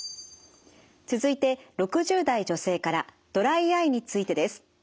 続いて６０代女性からドライアイについてです。